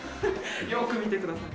よーく見てください。